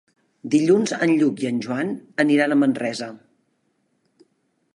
Dilluns en Lluc i en Joan aniran a Manresa.